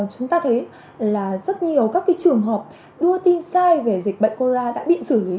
chúng ta thấy rất nhiều trường hợp đưa tin sai về dịch bệnh corona đã bị xử lý